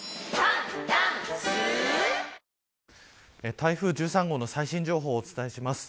台風１３号の最新情報をお伝えします。